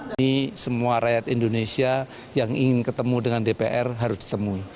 ini semua rakyat indonesia yang ingin ketemu dengan dpr harus ditemui